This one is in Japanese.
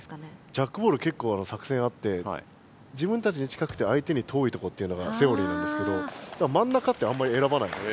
ジャックボール結構作戦あって自分たちに近くて相手に遠いとこっていうのがセオリーなんですけど真ん中ってあんまりえらばないんです。